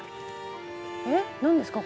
えっ何ですか？